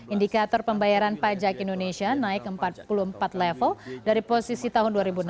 indikator pembayaran pajak indonesia naik empat puluh empat level dari posisi tahun dua ribu enam belas